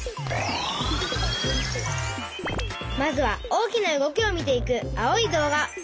まずは大きな動きを見ていく青い動画。